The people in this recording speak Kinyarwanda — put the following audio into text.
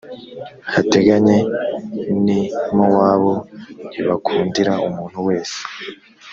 hateganye n i mowabu ntibakundira umuntu wese